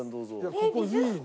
ここいいね。